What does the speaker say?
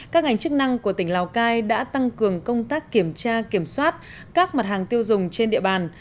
các ngành chức năng của tỉnh lào cai đã tăng cường công tác kiểm tra kiểm soát các mặt hàng tiêu dùng trên địa bàn